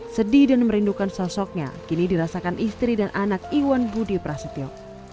sedih dan merindukan sosoknya kini dirasakan istri dan anak iwan budi prasetyo